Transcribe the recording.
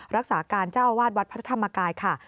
รักษาการเจ้าอาวาสวัดพระธรรมกายค่ะ